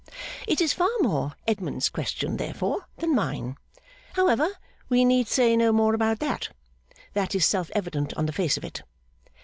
'It is far more Edmund's question, therefore, than mine. However, we need say no more about that. That is self evident on the face of it.